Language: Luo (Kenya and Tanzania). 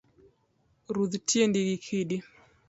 Rudh tiendi gi kidi